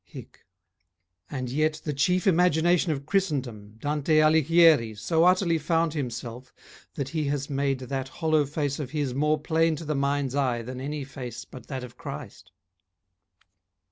HIC And yet The chief imagination of Christendom Dante Alighieri so utterly found himself That he has made that hollow face of his More plain to the mind's eye than any face But that of Christ.